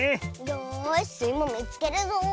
よしスイもみつけるぞ。